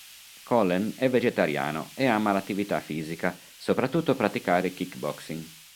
Collen è vegetariano e ama l'attività fisica, soprattutto praticare Kick Boxing.